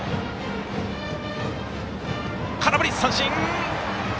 空振り三振。